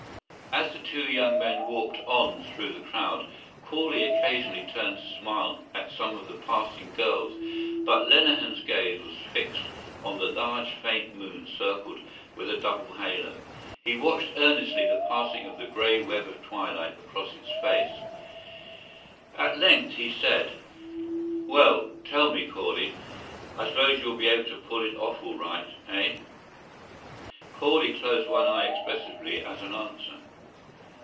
As the two young men walked on through the crowd Corley occasionally turned to smile at some of the passing girls but Lenehan's gaze was fixed on the large faint moon circled with a double halo. He watched earnestly the passing of the grey web of twilight across its face. At length he said: "Well ... tell me, Corley, I suppose you'll be able to pull it off all right, eh?" Corley closed one eye expressively as an answer.